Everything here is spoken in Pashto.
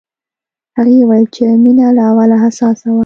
هغې وویل چې مينه له اوله حساسه وه